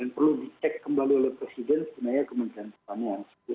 yang perlu dicek kembali oleh presiden sebenarnya kementerian pertanian